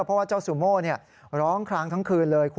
เพราะว่าเจ้าซูโม่ร้องคลางทั้งคืนเลย